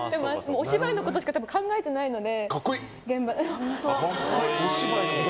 お芝居のことしか考えてないので。